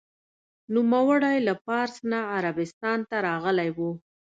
نوموړی له پارس نه عربستان ته راغلی و.